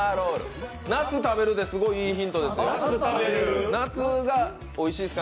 夏食べるですごいいいヒントですよ。